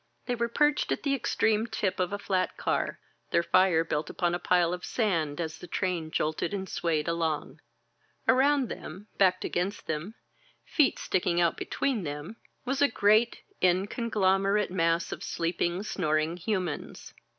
They were perched at the extreme tip of a flat car, their fire built upon a pile of sand, as the train jolted and swayed along. Around them, backed against them, feet sticking out between them, was a great, inconglom erate mass of sleeping, snoring humans.